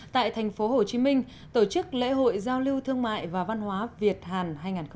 tại thành phố hồ chí minh tổ chức lễ hội giao lưu thương mại và văn hóa việt hàn hai nghìn một mươi sáu